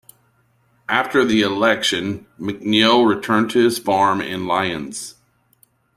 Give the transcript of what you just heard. After the election, McNeil returned to his farm in Lyons.